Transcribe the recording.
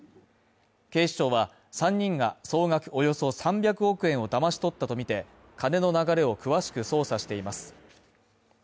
警視庁は３人が、総額およそ３００億円をだまし取ったとみて、金の流れを詳しく捜査しています